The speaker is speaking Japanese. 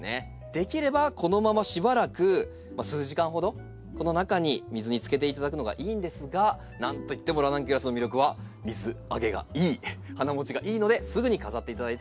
できればこのまましばらく数時間ほどこの中に水につけていただくのがいいんですが何といってもラナンキュラスの魅力は水揚げがいい花もちがいいのですぐに飾っていただいてかまいません。